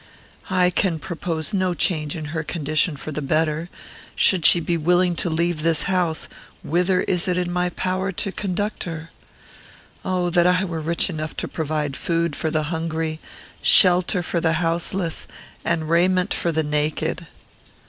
"I can propose no change in her condition for the better. Should she be willing to leave this house, whither is it in my power to conduct her? Oh that I were rich enough to provide food for the hungry, shelter for the houseless, and raiment for the naked!"